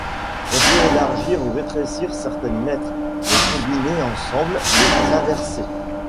On peut élargir ou rétrécir certaines lettres, les combiner ensemble, les inverser.